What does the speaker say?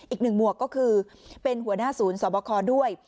อีกหนึ่งหมวกก็คือเป็นหัวหน้าศูนย์สอบคอด้วย